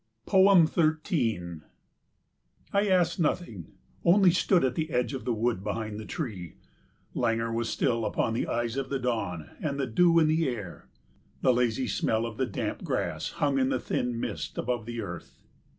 13 I asked nothing, only stood at the edge of the wood behind the tree. Languor was still upon the eyes of the dawn, and the dew in the air. The lazy smell of the damp grass hung in the thin mist above the earth.